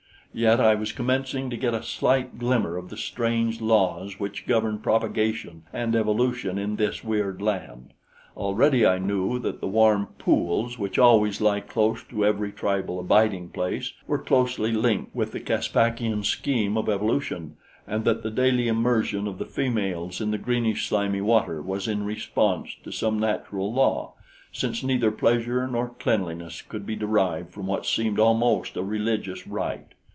Yet I was commencing to get a slight glimmer of the strange laws which govern propagation and evolution in this weird land. Already I knew that the warm pools which always lie close to every tribal abiding place were closely linked with the Caspakian scheme of evolution, and that the daily immersion of the females in the greenish slimy water was in response to some natural law, since neither pleasure nor cleanliness could be derived from what seemed almost a religious rite.